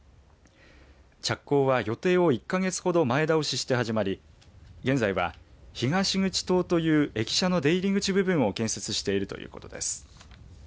着工は予定を１か月ほど前倒しして始まり現在は東口棟という駅舎の出入り口部分を建設しているということです。